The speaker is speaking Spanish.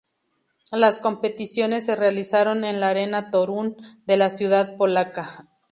Las competiciones se realizaron en la Arena Toruń de la ciudad polaca.